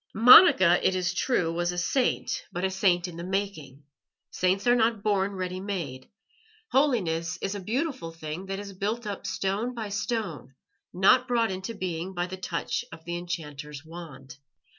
Monica, it is true, was a Saint, but a Saint in the making. Saints are not born ready made; holiness is a beautiful thing that is built up stone by stone, not brought into being by the touch of the enchanter's wand.